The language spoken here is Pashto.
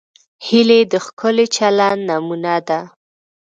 هیلۍ د ښکلي چلند نمونه ده